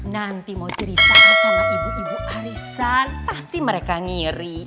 nanti mau cerita sama ibu ibu arisan pasti mereka ngiri